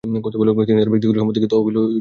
তিনি তার ব্যক্তিগত সম্পদ থেকে তহবিল গঠন করেন।